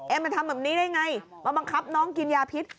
มันทำแบบนี้ได้ไงมาบังคับน้องกินยาพิษ